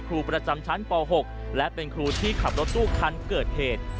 ครูประจำชั้นป๖และเป็นครูที่ขับรถตู้คันเกิดเหตุ